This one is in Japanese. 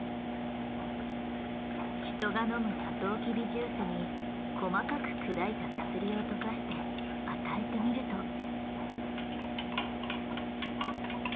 人が飲むサトウキビジュースに細かく砕いた薬を溶かして与えてみると。